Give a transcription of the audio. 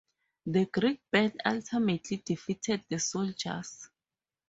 The Creek band ultimately defeated the soldiers.